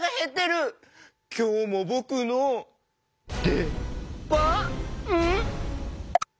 きょうもぼくのでばん？